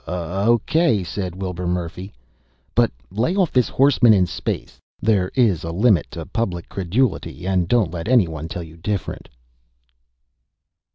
"Okay," said Wilbur Murphy. "But lay off this horseman in space. There is a limit to public credulity, and don't you let anyone tell you different."